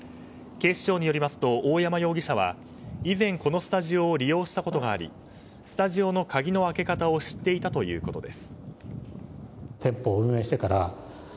警視庁によりますと大山容疑者は以前、このスタジオを利用したことがありスタジオの鍵の開け方を知っていたということです。